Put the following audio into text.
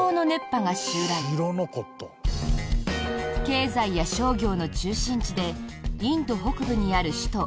経済や商業の中心地でインド北部にある首都